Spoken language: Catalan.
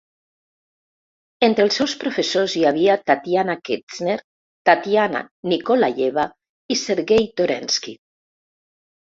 Entre els seus professors hi havia Tatiana Kestner, Tatiana Nikolayeva i Sergei Dorensky.